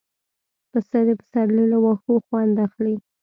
پسه د پسرلي له واښو خوند اخلي.